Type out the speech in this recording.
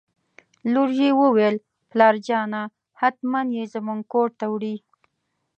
لور یې وویل: پلارجانه حتماً یې زموږ کور ته وړي.